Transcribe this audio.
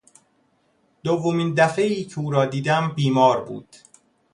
دومین دفعهای که او را دیدم بیمار بود.